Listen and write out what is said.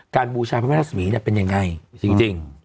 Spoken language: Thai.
การบูชาพระแม่รัฐสมีย์เนี่ยเป็นยังไงจริง